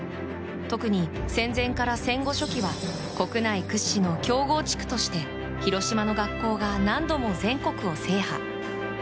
特に、戦前から戦後初期は国内屈指の強豪地区として広島の学校が何度も全国を制覇。